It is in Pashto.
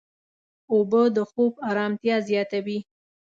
اوبه د خوب ارامتیا زیاتوي.